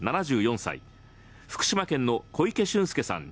７４歳福島県の小池駿介さん